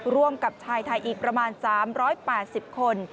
ร่วมกับชายไทยอีกประมาณ๓๘๐คน